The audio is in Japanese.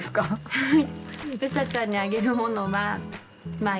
はい。